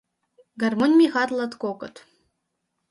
Гармонь мехат латкокыт.